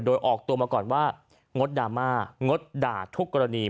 โดยออกตัวมาก่อนว่างดดราม่างดด่าทุกกรณี